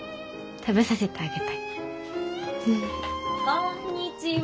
こんにちは！